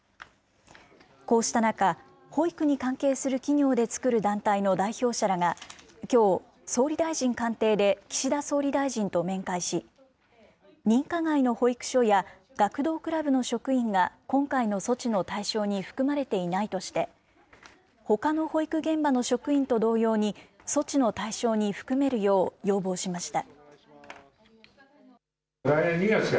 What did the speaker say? こうした中、保育に関係する企業で作る団体の代表者らが、きょう、総理大臣官邸で岸田総理大臣と面会し、認可外の保育所や学童クラブの職員が、今回の措置の対象に含まれていないとして、ほかの保育現場の職員と同様に、措置の対象に含めるよう要望しました。